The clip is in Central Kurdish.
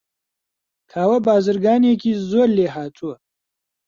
کاوە بازرگانێکی زۆر لێهاتووە.